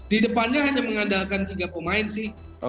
di depannya hanya mengandalkan tiga pemain sih